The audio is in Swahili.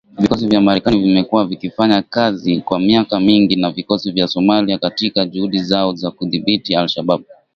Vikosi vya Marekani vimekuwa vikifanya kazi kwa miaka mingi na vikosi vya Somalia katika juhudi zao za kuwadhibiti al-Shabaab.